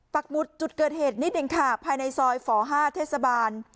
หุดจุดเกิดเหตุนิดหนึ่งค่ะภายในซอยฝ๕เทศบาล